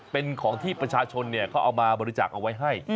เป็นของที่ประชาชนเขาเอามาบริจาคเอาไว้ให้